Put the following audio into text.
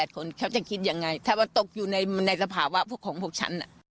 คนเขาจะคิดยังไงถ้าว่าตกอยู่ในสภาวะพวกของพวกฉัน